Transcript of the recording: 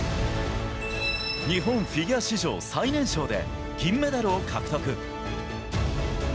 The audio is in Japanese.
日本フィギュア史上最年少で銀メダルを獲得。